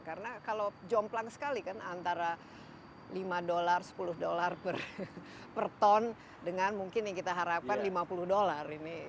karena kalau jomplang sekali kan antara lima dolar sepuluh dolar per ton dengan mungkin yang kita harapkan lima puluh dolar ini